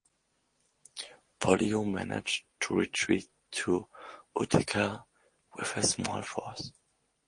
Pollio managed to retreat to Utica with a small force.